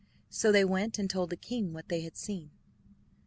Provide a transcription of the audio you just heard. So they went and told the king what they had seen.